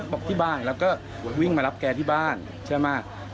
ที่บ้านแล้วก็วิ่งมารับแกที่บ้านใช่ไหม